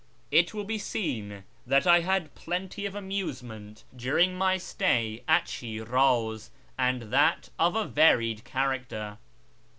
It "udll be seen that I had plenty of amusement during ^i shirAz 297 my stay at Shiraz, and that of a varied character.